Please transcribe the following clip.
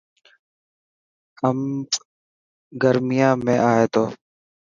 امب گر، يان ۾ ائي ٿو.